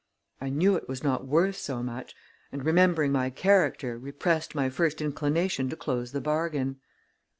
I knew it was not worth so much, and, remembering my character, repressed my first inclination to close the bargain.